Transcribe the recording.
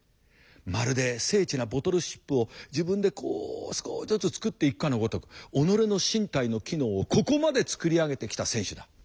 まるで精緻なボトルシップを自分でこう少しずつ作っていくかのごとく己の身体の機能をここまで作り上げてきた選手だ。